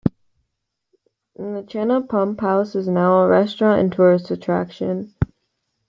The Chena Pump House is now a restaurant and tourist attraction.